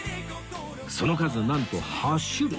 その数なんと８種類